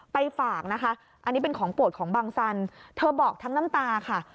ไปฝากนะคะอันนี้เป็นของโปรดของบังสันเธอบอกทั้งน้ำตาค่ะ